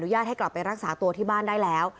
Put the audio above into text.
ญาตให้กลับไปรักษาตัวที่บ้านได้แล้ว